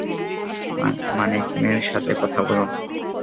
মানিকমের সাথে কথা বলুন।